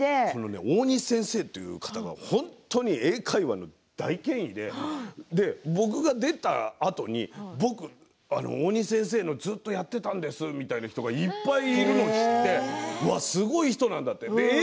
大西先生という方が本当に英会話の大権威で僕が出たあとに僕、大西先生がずっとやってたんですみたいな人がいっぱいいるのを知ってすごい人なんだって。